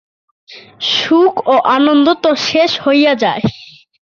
সুখ ও আনন্দ তো শেষ হইয়া যায়।